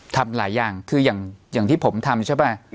ทำหลายอย่างคืออย่างที่ผมทำใช่ป่ะ